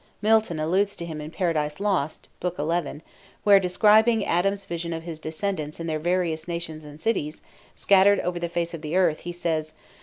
Milton alludes to him in "Paradise Lost," Book XI., where, describing Adam's vision of his descendants in their various nations and cities, scattered over the face of the earth, he says